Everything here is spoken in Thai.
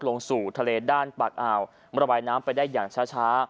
ลงสู่ทะเลด้านปากอ่าวระบายน้ำไปได้อย่างช้า